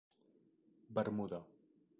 Bermuda.